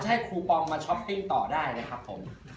จะแย่งคูปองมาช็อปติ้งต่อได้นะครับผม